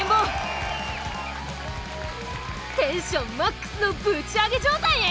テンションマックスのぶち上げ状態へ！